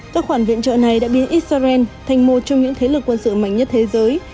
các khoản viện trợ này đã biến israel thành một trong những thế lực quân sự mạnh nhất thế giới